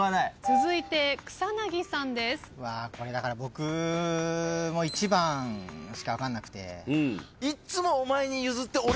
うわこれだから僕も１番しか分かんなくて。